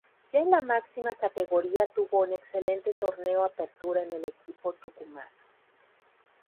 Ya en la máxima categoría tuvo un excelente Torneo Apertura en el equipo tucumano.